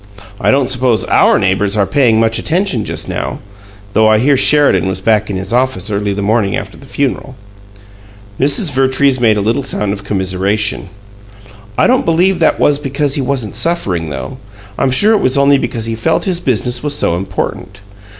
I don't suppose OUR neighbors are paying much attention just now, though I hear Sheridan was back in his office early the morning after the funeral." Mrs. Vertrees made a little sound of commiseration. "I don't believe that was because he wasn't suffering, though. I'm sure it was only because he felt his business was so important.